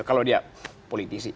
kalau dia politisi